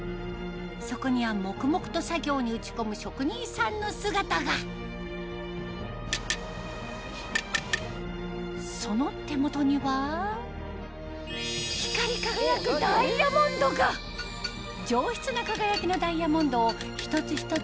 そこには黙々と作業に打ち込む職人さんの姿がその手元には光り輝く上質な輝きのダイヤモンドを一つ一つ